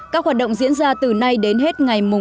các hoạt động diễn ra từ nay đến hết ngày hai tháng một mươi hai